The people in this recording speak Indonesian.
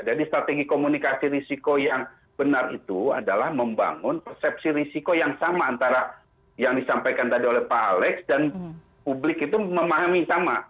strategi komunikasi risiko yang benar itu adalah membangun persepsi risiko yang sama antara yang disampaikan tadi oleh pak alex dan publik itu memahami sama